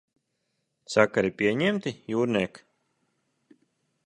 Sakari pieņemti, jūrniek?